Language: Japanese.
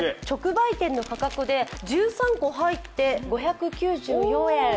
直売店の価格で１３個入って５９４円。